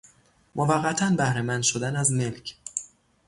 موقتا بهرهمند شدن از ملک